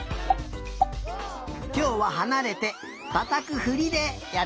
きょうははなれてたたくふりでやってみるよ。